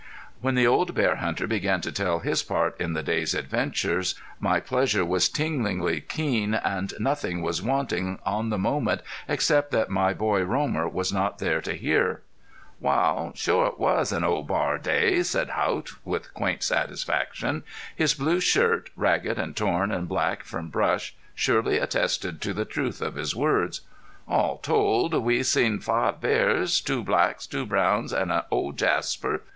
'" When the old bear hunter began to tell his part in the day's adventures my pleasure was tinglingly keen and nothing was wanting on the moment except that my boy Romer was not there to hear. "Wal, shore it was an old bar day," said Haught, with quaint satisfaction. His blue shirt, ragged and torn and black from brush, surely attested to the truth of his words. "All told we seen five bars. Two blacks, two browns an' the old Jasper.